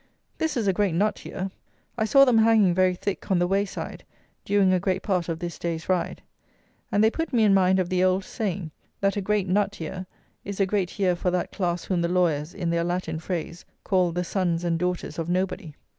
This is a great nut year. I saw them hanging very thick on the way side during a great part of this day's ride; and they put me in mind of the old saying, "That a great nut year is a great year for that class whom the lawyers, in their Latin phrase, call the 'sons and daughters of nobody.'"